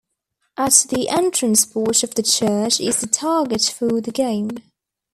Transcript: At the entrance porch of the church is the target for the game.